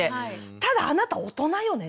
ただあなた大人よね？と。